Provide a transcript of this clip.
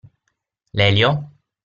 L'elio?